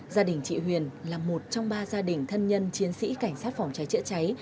gia đình chị huyền là một trong ba gia đình thân nhân chiến sĩ cảnh sát phòng cháy chữa cháy